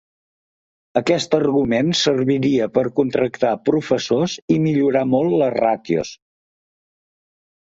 Aquest augment serviria per a contractar professors i millorar molt les ràtios.